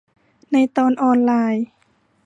ในตอนออนไลน์